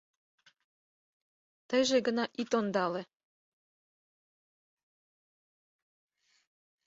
Тыйже гына ит ондале.